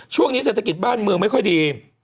ช่วงนี้เศรษฐกิจบ้านเมืองไม่ค่อยดี